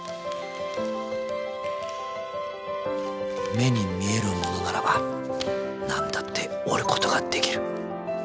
目に見えるものならば何だって折ることができる。